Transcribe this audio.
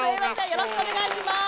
よろしくお願いします。